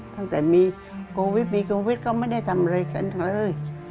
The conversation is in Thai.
ตั้งแต่มีโควิดมีโควิดก็ไม่ได้ทำอะไรกันเลย